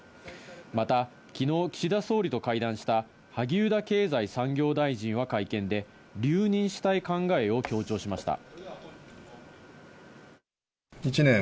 また昨日、岸田総理と会談した萩生田経済産業大臣は会見で留任したい考えを強調しました。